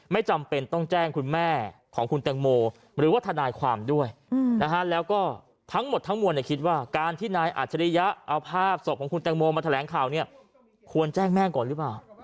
ไม่จำเป็นต้องแจ้งคุณแม่ของคุณแตงโมหรือว่าทนายความด้วยนะฮะแล้วก็ทั้งหมดทั้งมวลคิดว่าการที่นายอัจฉริยะเอาภาพศพของคุณแตงโมมาแถลงข่าวเนี่ยควรแจ้งแม่ก่อนหรือเปล่า